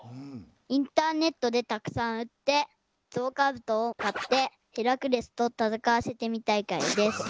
インターネットでたくさんうってゾウカブトをかってヘラクレスと戦わせてみたいからです。